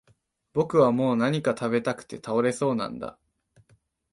僕はもう何か喰べたくて倒れそうなんだ